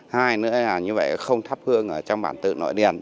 hai nữa là như vậy không thắp hương trong bản tự nội đền